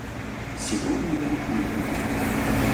Сегодня я – Наполеон!